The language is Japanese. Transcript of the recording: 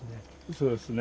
そうですね。